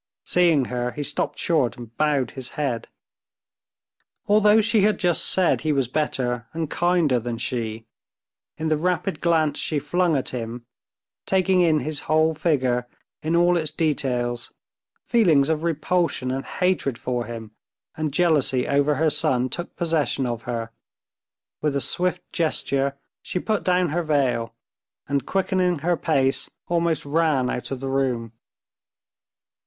Seeing her, he stopped short and bowed his head. Although she had just said he was better and kinder than she, in the rapid glance she flung at him, taking in his whole figure in all its details, feelings of repulsion and hatred for him and jealousy over her son took possession of her. With a swift gesture she put down her veil, and, quickening her pace, almost ran out of the room.